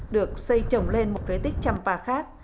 được xây trồng lên một phế tích champa khác